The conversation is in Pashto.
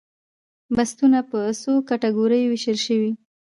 بستونه په څو کټګوریو ویشل شوي؟